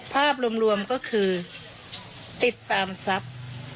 ภาพรวมก็คือติดตามทรัพย์